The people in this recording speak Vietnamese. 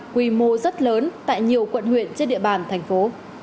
quy mô rất lớn tại nhiều quận huyện trên địa bàn thành phố